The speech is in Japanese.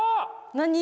何？